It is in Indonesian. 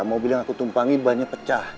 mobil yang aku tumpangi banyak pecah